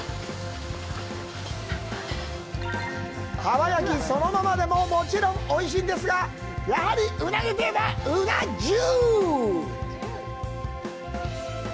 蒲焼きそのままでももちろんおいしいんですがやはりうなぎといえばうな重！